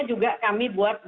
juga kami buat